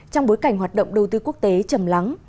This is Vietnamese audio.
trong bối cảnh hoạt động đầu tư quốc tế chầm lắng